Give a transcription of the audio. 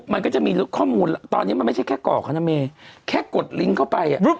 มันก็จะมีข้อมูลตอนนี้มันไม่ใช่แค่ก่อเขานะเมย์แค่กดลิงก์เข้าไป